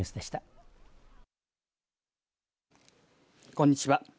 こんにちは。